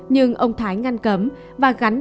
nhưng ông thái ngăn cấm và gắn